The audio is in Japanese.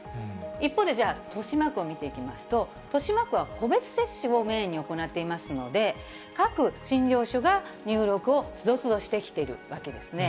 一方でじゃあ、豊島区を見ていきますと、豊島区は個別接種をメインに行っていますので、各診療所が入力をつどつど、してきているわけですね。